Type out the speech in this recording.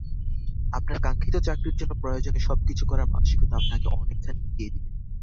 আপনার কাঙ্ক্ষিত চাকরির জন্য প্রয়োজনে সবকিছু করার মানসিকতা আপনাকে অনেকখানি এগিয়ে দেবে।